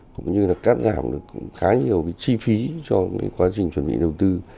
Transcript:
cũng như là cắt giảm được khá nhiều chi phí cho quá trình chuẩn bị đầu tư